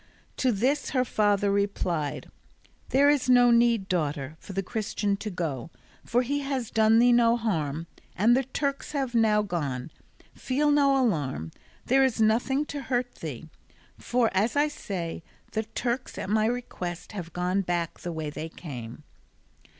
To this her father replied, "There is no need, daughter, for the Christian to go, for he has done thee no harm, and the Turks have now gone; feel no alarm, there is nothing to hurt thee, for as I say, the Turks at my request have gone back the way they came."